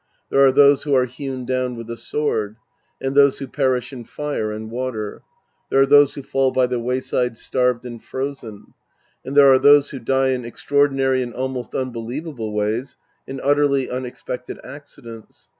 There are those who are hewn down with the sword. And those who perish in fire and water. There are those who fall by the vvfayside starved and frozen. And there are those who die in extraordinary and almost unbelievable ways in utterly unexpected accidents.